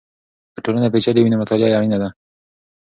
که ټولنه پېچلې وي نو مطالعه یې اړینه ده.